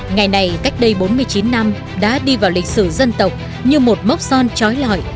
ngày này cách đây bốn mươi chín năm đã đi vào lịch sử dân tộc như một mốc son trói lọi